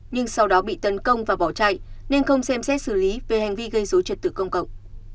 nhưng sau đó bị tấn công và bỏ chạy nên không xem xét xử lý về hành vi gây dối trật tự công cộng